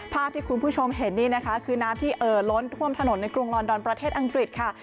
ภาพที่คุณผู้ชมเห็นนี่นะคะคือน้ำที่เอ่อล้นท่วมถนนในกรุงลอนดอนประเทศอังกฤษค่ะ